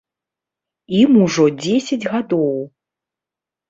Ім ужо дзесяць гадоў.